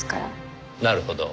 なるほど。